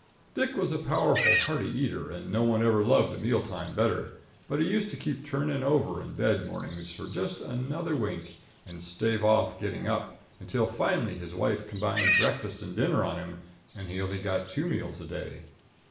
Dick was a powerful hearty eater, and no one ever loved meal time better, but he used to keep turning over in bed mornings for just another wink and staving off getting up, until finally his wife combined breakfast and dinner on him, and he only got two meals a day.